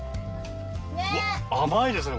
うわっ甘いですね